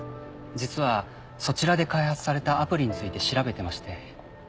実はそちらで開発されたアプリについて調べてまして。